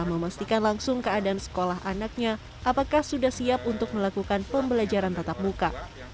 memastikan langsung keadaan sekolah anaknya apakah sudah siap untuk melakukan pembelajaran tatap muka